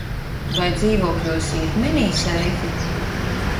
Vai dzīvokļos ir mini seifi?